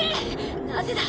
なぜだ？